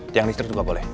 tiang listrik juga boleh